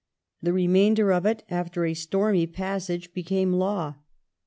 The re mainder of it after a stormy passage became law.